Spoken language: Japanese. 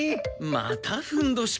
またふんどしか。